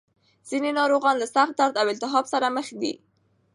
ځینې ناروغان له سخت درد او التهاب سره مخ دي.